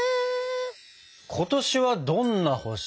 「今年はどんな星？」。